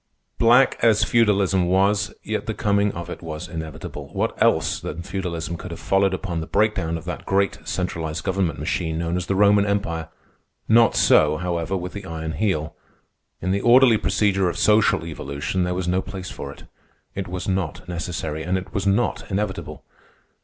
Black as Feudalism was, yet the coming of it was inevitable. What else than Feudalism could have followed upon the breakdown of that great centralized governmental machine known as the Roman Empire? Not so, however, with the Iron Heel. In the orderly procedure of social evolution there was no place for it. It was not necessary, and it was not inevitable.